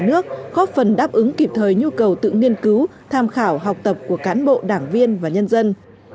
nước góp phần đáp ứng kịp thời nhu cầu tự nghiên cứu tham khảo học tập của cán bộ đảng viên và nhân dân